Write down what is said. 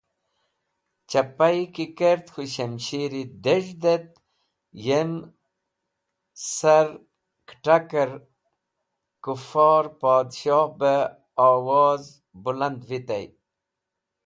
Chapayi ki kert k̃hũ shamshiri dez̃hd et yem sar kẽt̃aker et Kufor Podshoh beh owoz bũland vitey.